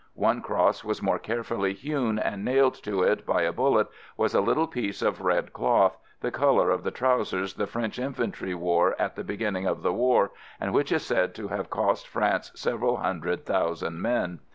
One cross was more carefully hewn, and nailed to it by a bullet was a little piece of red cloth, the color of the trousers the French infantry wore at the beginning of the war, and which is said to have cost France several hundred thousand men.